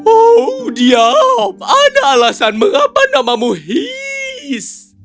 oh diam ada alasan mengapa namamu heese